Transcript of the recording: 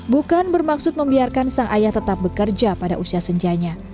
bukan bermaksud membiarkan sang ayah tetap bekerja pada usia senjanya